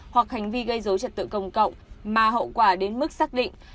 hoặc hành vi gây dối trật tự công cộng mà hậu quả đến mức xác định